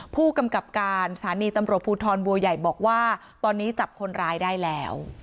ผู้กำกับการสถานีตำรวจภูทรบัวใหญ่บอกว่าตอนนี้จับคนร้ายได้แล้ว